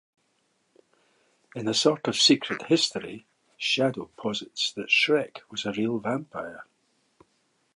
In a sort of secret history, "Shadow" posits that Schreck was a real vampire.